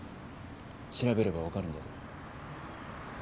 調べればわかるんだぞ。